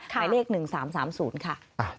ในเลข๑๓๓๐ค่ะ